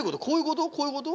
こういうこと？